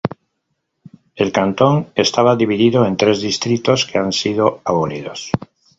El cantón estaba dividido en tres distritos que han sido abolidos.